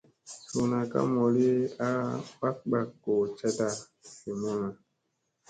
Suuna ka mooli a bak bak goo cada vi mulla.